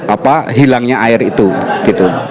apa hilangnya air itu